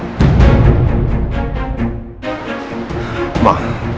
sepertinya elsa salah paham